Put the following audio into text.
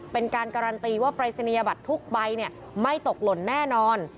เป็นการการันตีว่าปรายศนียบัตรทุกใบไม่ตกหล่นแน่นอน